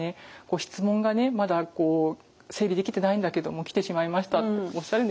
質問がねまだ整理できてないんだけども来てしまいましたっておっしゃるんですけどいいんです。